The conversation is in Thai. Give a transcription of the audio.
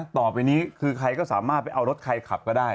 ต่อไปนี้คือใครก็สามารถไปเอารถใครขับก็ได้